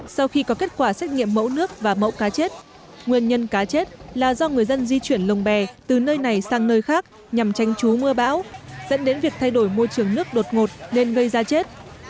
sau khi có kết quả xét nghiệm mẫu nước và mẫu cá chết nguyên nhân cá chết là do người dân di chuyển lồng bè từ nơi này sang nơi khác nhằm tranh trú mưa bão dẫn đến việc thay đổi môi trường nước đột ngột nên gây ra chết